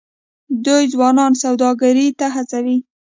دوی ځوانان سوداګرۍ ته هڅوي.